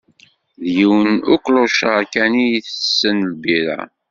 D yiwen uklucaṛ kan itessen lbira.